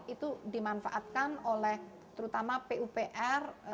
itu dimanfaatkan oleh terutama pupr